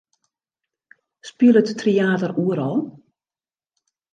Spilet Tryater oeral?